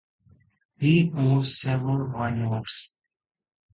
He owns several vineyards.